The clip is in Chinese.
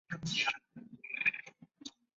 这几乎已经成为了一个记录。